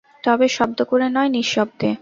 তবে শব্দ করে নয়, নিঃশব্দে।